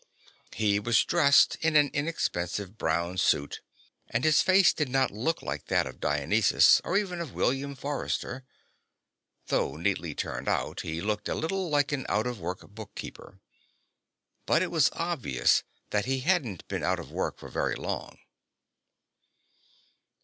He was dressed in an inexpensive brown suit, and his face did not look like that of Dionysus, or even of William Forrester. Though neatly turned out, he looked a little like an out of work bookkeeper. But it was obvious that he hadn't been out of work for very long.